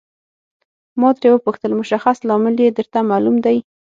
ما ترې وپوښتل مشخص لامل یې درته معلوم دی.